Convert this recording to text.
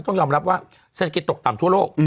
ต้องยอมรับว่าเศรษฐกิจตกต่ำทั่วโลก